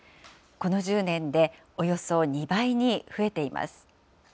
この１０年でおよそ２倍に増えています。